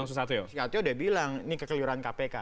susatyo sudah bilang ini kekeliuran kpk